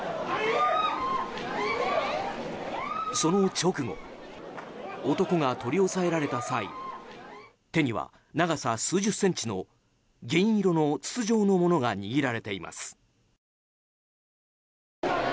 その直後男が取り押さえられた際手には長さ数十センチの銀色の筒状のものが握られています。